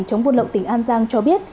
chống vụn lộng tỉnh an giang cho biết